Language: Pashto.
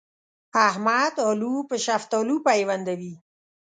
احمد الو په شفتالو پيوندوي.